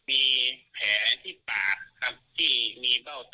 มีแผลที่ปากครับที่มีเบ้าตาเขียวแล้วก็ถรอก